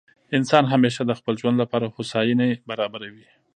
انسان همېشه د خپل ژوند له پاره هوسایني برابروي.